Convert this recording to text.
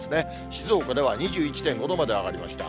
静岡では２１．５度まで上がりました。